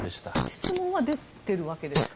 質問は出てるわけですか？